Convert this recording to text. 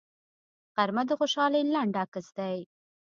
غرمه د خوشحالۍ لنډ عکس دی